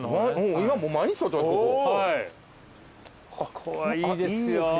ここはいいですよ。